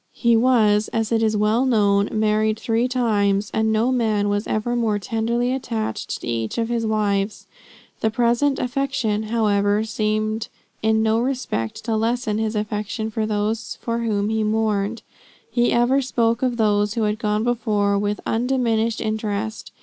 He was, as it is well known, married three times, and no man was ever more tenderly attached to each of his wives. The present affection, however, seemed in no respect to lessen his affection for those for whom he mourned. He ever spoke of those who had gone before, with undiminished interest.